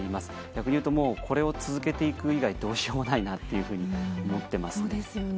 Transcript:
逆に言うとこれを続けていく以外どうしようもないと思っていますので。